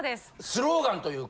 スローガンというか。